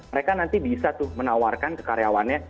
mereka nanti bisa tuh menawarkan ke karyawannya